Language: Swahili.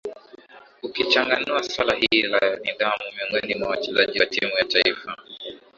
akichanganua swala hili la nidhamu miongoni mwa wachezaji wa timu ya taifa